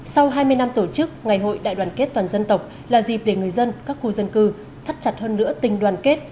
sau hai mươi năm tổ chức ngày hội đại đoàn kết toàn dân tộc là dịp để người dân các khu dân cư thắt chặt hơn nữa tình đoàn kết